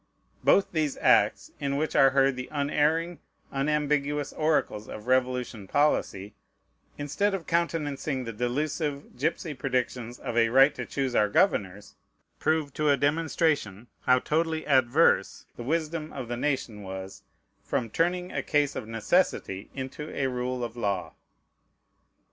Both these acts, in which are heard the unerring, unambiguous oracles of Revolution policy, instead of countenancing the delusive gypsy predictions of a "right to choose our governors," prove to a demonstration how totally adverse the wisdom of the nation was from turning a case of necessity into a rule of law.